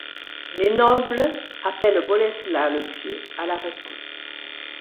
Les nobles appellent Boleslas le Pieux à la rescousse.